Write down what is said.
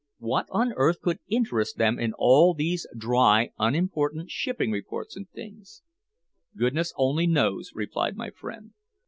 "What on earth could interest them in all these dry, unimportant shipping reports and things?" "Goodness only knows," replied my friend.